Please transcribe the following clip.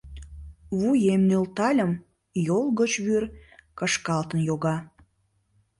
Вуем нӧлтальым — йол гыч вӱр кышкалтын йога.